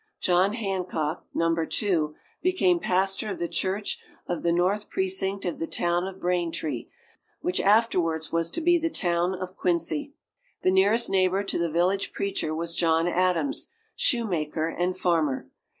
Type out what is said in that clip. John Hancock (Number Two) became pastor of the church of the North Precinct of the town of Braintree, which afterwards was to be the town of Quincy. The nearest neighbor to the village preacher was John Adams, shoemaker and farmer.